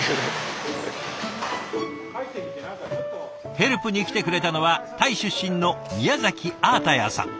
ヘルプに来てくれたのはタイ出身の宮崎アータヤーさん。